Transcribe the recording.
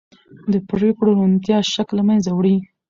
د پرېکړو روڼتیا شک له منځه وړي